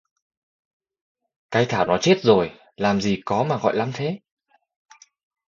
Cái Thảo nó chết rồi làm gì có mà gọi lắm thế